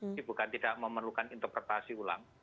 ini bukan tidak memerlukan interpretasi ulang